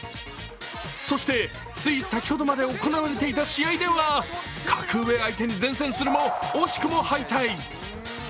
そして、つい先ほどまで行われていた試合では格上相手に善戦するも惜しくも敗退。